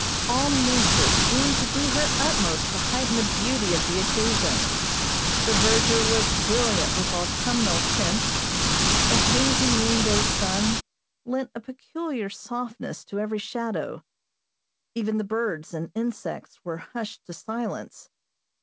All Nature seemed to do her utmost to heighten the beauty of the occasion. The verdure was brilliant with autumnal tints, the hazy noonday sun lent a peculiar softness to every shadow even the birds and insects were hushed to silence.